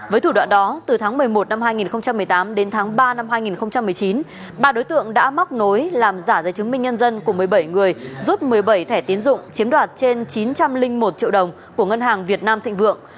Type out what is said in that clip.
với thủ đoạn đó từ tháng một mươi một năm hai nghìn một mươi tám đến tháng ba năm hai nghìn một mươi chín ba đối tượng đã móc nối làm giả giấy chứng minh nhân dân của một mươi bảy người rút một mươi bảy thẻ tiến dụng chiếm đoạt trên chín trăm linh một triệu đồng của ngân hàng việt nam thịnh vượng